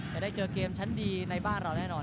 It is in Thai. จะได้เจอเกมชั้นดีในบ้านเราแน่นอน